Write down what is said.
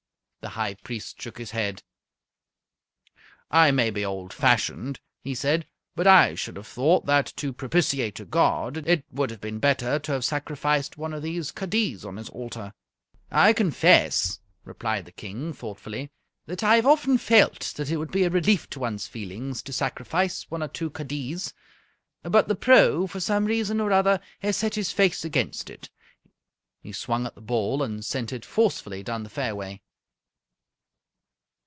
The High Priest shook his head. "I may be old fashioned," he said, "but I should have thought that, to propitiate a god, it would have been better to have sacrificed one of these kaddiz on his altar." "I confess," replied the King, thoughtfully, "that I have often felt that it would be a relief to one's feelings to sacrifice one or two kaddiz, but The Pro for some reason or other has set his face against it." He swung at the ball, and sent it forcefully down the fairway.